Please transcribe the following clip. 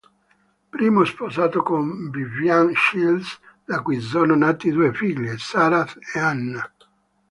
Prima sposato con Vivienne Shields, da cui sono nati due figlie: Sarah e Anna.